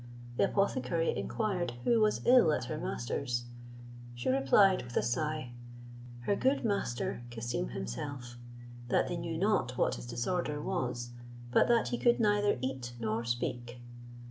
The apothecary inquired who was ill at her master's? She replied with a sigh, "Her good master Cassim himself: that they knew not what his disorder was, but that he could neither eat nor speak."